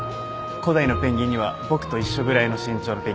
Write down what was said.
古代のペンギンには僕と一緒ぐらいの身長のペンギンがいたんですよ。